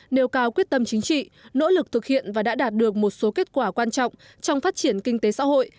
nêu cao quyết tâm chính trị nỗ lực thực hiện và đã đạt được một số kết quả quan trọng trong phát triển kinh tế xã hội